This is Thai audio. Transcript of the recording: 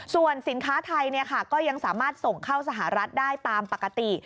ส่วนสินค้าไทยก็ยังสามารถส่งเข้าสหรัฐได้ตามปกติ